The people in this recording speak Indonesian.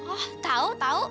oh tahu tahu